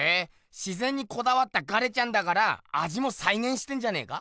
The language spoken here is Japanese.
自ぜんにこだわったガレちゃんだからあじもさいげんしてんじゃねえか？